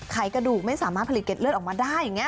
กระดูกไม่สามารถผลิตเก็ดเลือดออกมาได้อย่างนี้